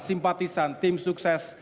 simpatisan tim sukses